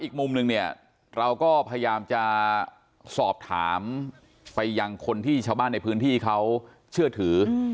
อีกมุมนึงเนี่ยเราก็พยายามจะสอบถามไปยังคนที่ชาวบ้านในพื้นที่เขาเชื่อถือ